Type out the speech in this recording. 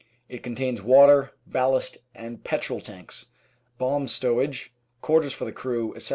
It contains water, ballast and petrol tanks, bomb stowage, quarters for the crew, etc.